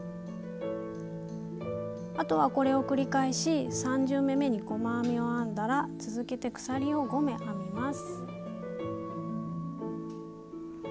あとはこれを繰り返し３０目に細編みを編んだら続けて鎖を５目編みます。